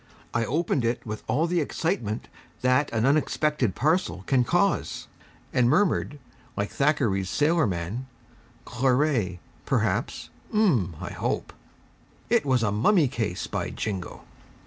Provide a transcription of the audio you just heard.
I opened it with all the excitement that an unexpected parcel can cause, and murmured, like Thackeray's sailor man, 'Claret, perhaps, Mumm, I hope ' It was a Mummy Case, by Jingo!